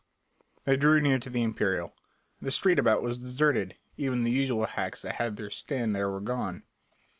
They drew near to the Imperial. The street about was deserted, even the usual hacks that had their stand there were gone.